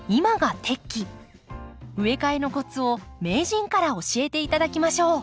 植え替えのコツを名人から教えて頂きましょう。